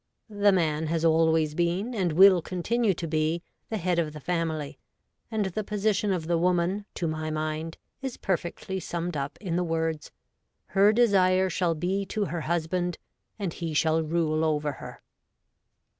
... The man has always been, and will continue to be, the head of the family, and the position of the woman, to my mind, is perfectly summed up in the words, "Her desire shall be to her husband, and he shall rule over her."